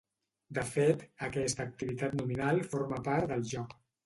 De fet, aquesta activitat nominal forma part del joc.